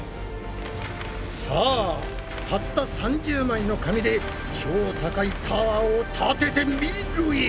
さあたった３０枚の紙で超高いタワーを立ててみろや！